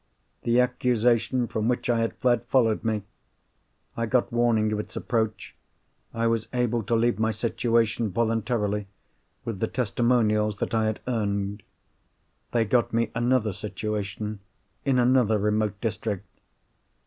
The accusation from which I had fled followed me. I got warning of its approach. I was able to leave my situation voluntarily, with the testimonials that I had earned. They got me another situation in another remote district.